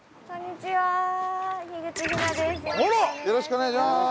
よろしくお願いします。